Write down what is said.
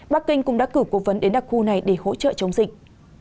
bắc kinh cũng đã cử cố vấn đến đặc khu này để hỗ trợ chống dịch